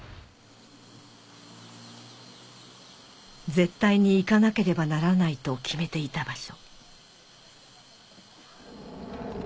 絶対に行かなければならないと決めていた場所